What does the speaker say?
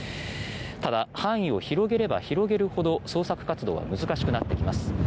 ただ、範囲を広げれば広げるほど捜索活動は難しくなってきます。